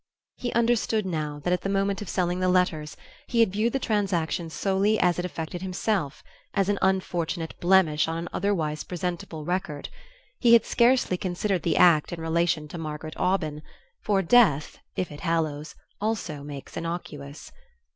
He understood now that, at the moment of selling the letters, he had viewed the transaction solely as it affected himself: as an unfortunate blemish on an otherwise presentable record. He had scarcely considered the act in relation to Margaret Aubyn; for death, if it hallows, also makes innocuous.